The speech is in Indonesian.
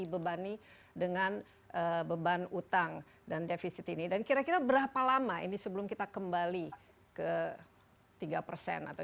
dibebani dengan beban utang dan defisit ini dan kira kira berapa lama ini sebelum kita kembali ke tiga persen atau